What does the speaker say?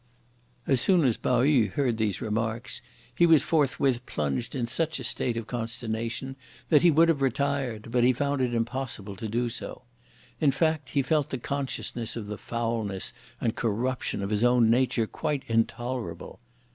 As soon as Pao yü heard these remarks, he was forthwith plunged in such a state of consternation that he would have retired, but he found it impossible to do so. In fact, he felt the consciousness of the foulness and corruption of his own nature quite intolerable.